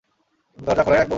দরজা খোলাই রাখবো?